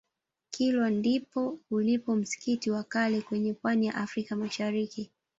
kilwa ndipo ulipo msikiti wa kale kwenye pwani ya africa mashariki